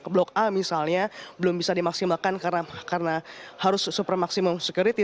blok a misalnya belum bisa dimaksimalkan karena harus super maksimum security